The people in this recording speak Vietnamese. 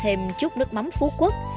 thêm chút nước mắm phú quốc